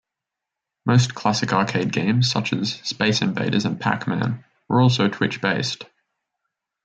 Most classic arcade games such as "Space Invaders" and "Pac-Man" were also twitch-based.